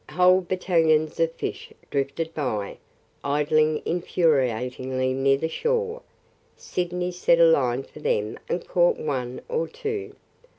Whole battalions of fish drifted by, idling infuriatingly near the shore. Sydney set a line for them and caught one or two.